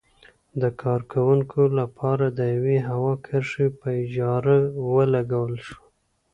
د کارکوونکو لپاره د یوې هوايي کرښې په اجاره ولګول شوه.